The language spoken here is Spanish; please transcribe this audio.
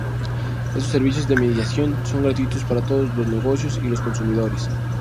Estos servicios de mediación son gratuitos para todos los negocios y los consumidores.